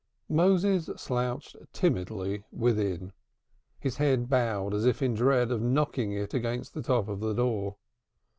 Moses slouched timidly within, his head bowed as if in dread of knocking against the top of the door.